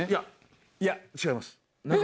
いや違います。